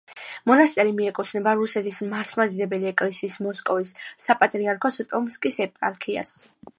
მონასტერი მიეკუთვნება რუსეთის მართლმადიდებელი ეკლესიის მოსკოვის საპატრიარქოს ტომსკის ეპარქიას.